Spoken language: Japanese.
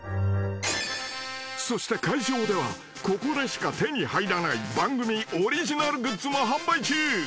［そして会場ではここでしか手に入らない番組オリジナルグッズも販売中］